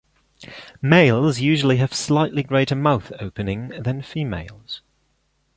Males usually have slightly greater mouth opening than females.